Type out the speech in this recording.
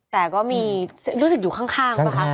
แต่ก็มีรู้สึกอยู่ข้างป่ะคะ